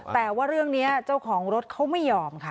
แต่ว่าเรื่องนี้เจ้าของรถเขาไม่ยอมค่ะ